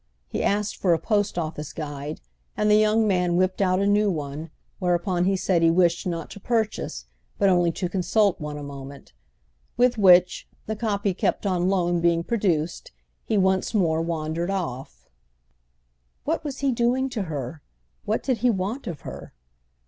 He asked for a Post Office Guide, and the young man whipped out a new one; whereupon he said he wished not to purchase, but only to consult one a moment; with which, the copy kept on loan being produced, he once more wandered off. What was he doing to her? What did he want of her?